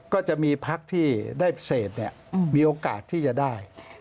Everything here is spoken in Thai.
ก็จะมีพักที่ได้เศษมีโอกาสที่จะได้